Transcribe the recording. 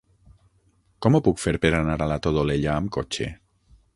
Com ho puc fer per anar a la Todolella amb cotxe?